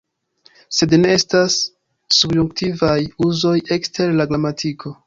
Sed ne estas subjunktivaj uzoj ekster la gramatiko.